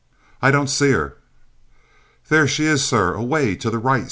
"I don't see her!" "There she is, sir, away to the right!"